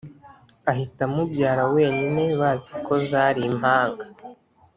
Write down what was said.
Ahita amubyara wenyine baziko zari mpanga